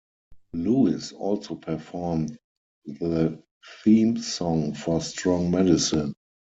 Lewis also performed the theme song for "Strong Medicine".